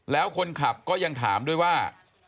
แล้วคนขับก็ยังถามด้วยว่า